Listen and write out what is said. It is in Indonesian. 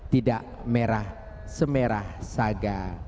tidak merah semerah saga